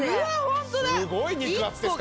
すごい肉厚ですから。